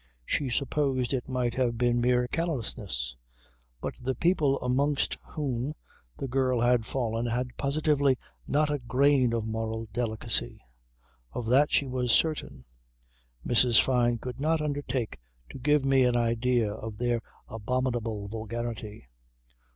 She supposed it might have been mere callousness. But the people amongst whom the girl had fallen had positively not a grain of moral delicacy. Of that she was certain. Mrs. Fyne could not undertake to give me an idea of their abominable vulgarity.